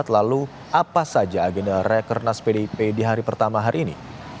lalu apa saja agenda rekernas pdip di hari pertama hari ini